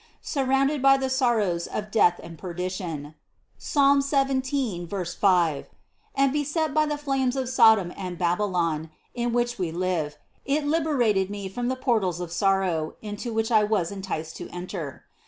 Sur rounded by the sorrows of death and perdition (Ps. 17, 5) and beset by the flames of Sodom and Babylon, in which we live, it liberated me from the portals of sorrow, into which I was enticed to enter.